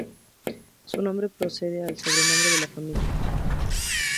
Su nombre procede del sobrenombre de la familia.